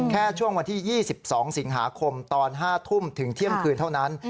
แค่ช่วงวันที่๒๒สิงหาคมตอน๕ทุ่มถึงเที่ยงคืนเท่านั้น